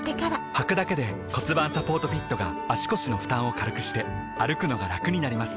はくだけで骨盤サポートフィットが腰の負担を軽くして歩くのがラクになります